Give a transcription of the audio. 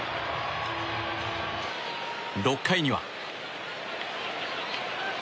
６回には。